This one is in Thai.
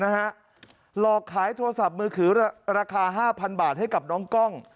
หลอกขายโทรศัพท์มือถือราคา๕๐๐บาทให้กับน้องกล้อง